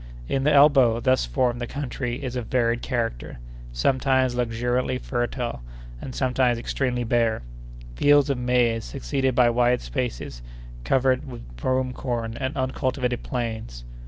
In the elbow thus formed the country is of varied character, sometimes luxuriantly fertile, and sometimes extremely bare; fields of maize succeeded by wide spaces covered with broom corn and uncultivated plains.